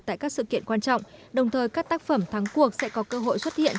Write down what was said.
tại các sự kiện quan trọng đồng thời các tác phẩm thắng cuộc sẽ có cơ hội xuất hiện